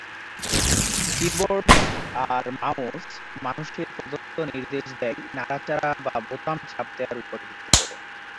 Keyboard আর mouse মানুষের প্রদত্ত নির্দেশ নেয় নাড়াচাড়া বা বোতাম চাপ দেয়ার উপর ভিত্তি করে।